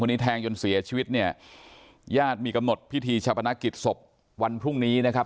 วันนี้แทงจนเสียชีวิตเนี่ยญาติมีกำหนดพิธีชาปนกิจศพวันพรุ่งนี้นะครับ